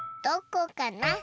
どこかな？